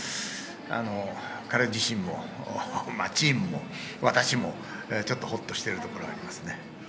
彼自身も、チームも、私もちょっとホッとしているところがあります。